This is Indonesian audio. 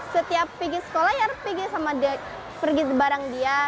setiap pergi sekolah yara pergi sama dia pergi bareng dia